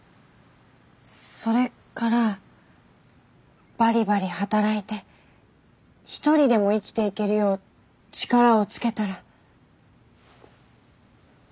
それからバリバリ働いて独りでも生きていけるよう力をつけたら。